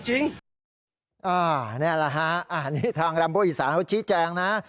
นี่แหละทางรัมโบอิสาหัวชิ้นแจงนะ